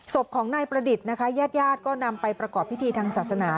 ศพของนายประดิษฐ์นะคะญาติญาติก็นำไปประกอบพิธีทางศาสนา